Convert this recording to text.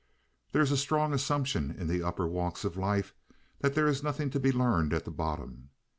There is a strong assumption in the upper walks of life that there is nothing to be learned at the bottom.